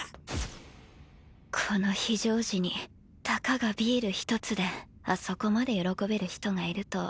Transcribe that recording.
この非常時にたかがビール１つであそこまで喜べる人がいるとは。